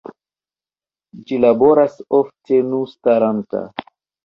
Ĝi laboras ofte nu staranta.